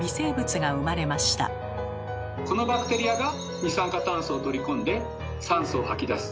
このバクテリアが二酸化炭素を取り込んで酸素を吐き出す。